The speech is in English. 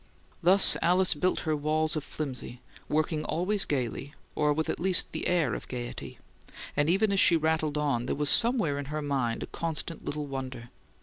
Thus Alice built her walls of flimsy, working always gaily, or with at least the air of gaiety; and even as she rattled on, there was somewhere in her mind a constant little wonder.